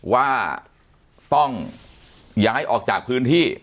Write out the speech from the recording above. ว่าต้องย้ายออกจากพื้นที่